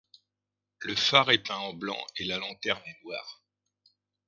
Le phare est peint en blanc et la lanterne est noire.